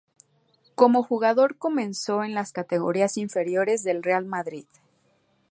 Como jugador comenzó en las categorías inferiores del Real Madrid.